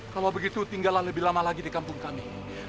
kalau begitu tinggal lebih lama lagi di kampung kami